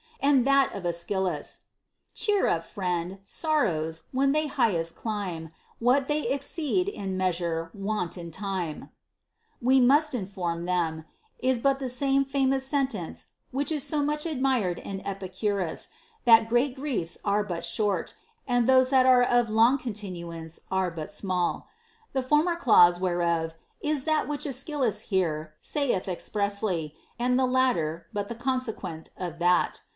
And that of Aeschylus, Cheer up, friend ; sorrows, when they highest climb, What they exceed in measure want in time, we must inform them, is but the same famous sentence which is so much admired in Epicurus, that great griefs are but short, and those that are of long continuance are but small. The former clause whereof is that which Aes chylus here saith expressly, and the latter but the conse quent of that.